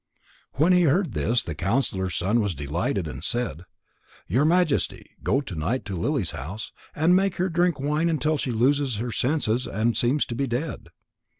When he heard this, the counsellor's son was delighted, and said: "Your Majesty, go to night to Lily's house, and make her drink wine until she loses her senses and seems to be dead.